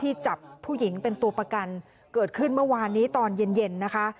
จับผู้หญิงเป็นตัวประกันเกิดขึ้นเมื่อวานนี้ตอนเย็นเย็นนะคะ